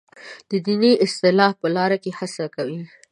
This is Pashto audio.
دیني اصلاح په لاره کې هڅه کوي.